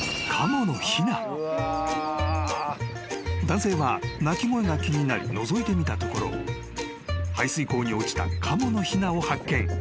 ［男性は鳴き声が気になりのぞいてみたところ排水溝に落ちたカモのひなを発見］